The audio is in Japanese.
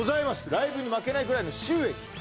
ライブに負けないぐらいの収益